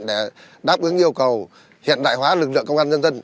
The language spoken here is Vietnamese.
để đáp ứng yêu cầu hiện đại hóa lực lượng công an nhân dân